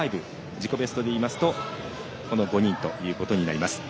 自己ベストでいいますとこの５人となります。